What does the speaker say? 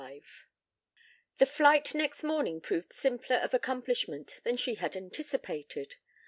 LV The flight next morning proved simpler of accomplishment than she had anticipated.